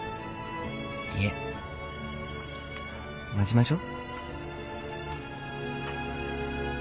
いえ待ちましょう。